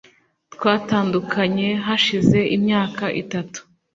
Twatandukanye hashize imyaka itatu